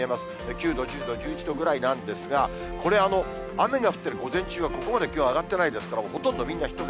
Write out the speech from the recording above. ９度、１０度、１１度ぐらいなんですが、これ、雨が降ってる午前中はここまで気温上がってないですから、ほとんどみんな１桁。